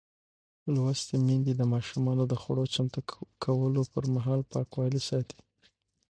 لوستې میندې د ماشومانو د خوړو چمتو کولو پر مهال پاکوالی ساتي.